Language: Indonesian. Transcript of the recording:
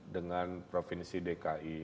dengan provinsi dki